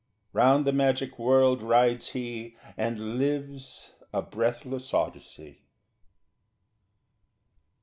Round the magic world rides he, And lives a breathless Odyssey.